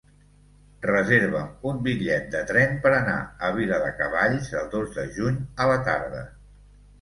Reserva'm un bitllet de tren per anar a Viladecavalls el dos de juny a la tarda.